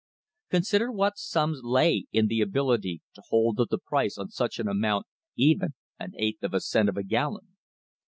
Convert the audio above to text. Consider what sums lay in the abil ity to hold up the price on such an amount even an eighth of a cent a gallon.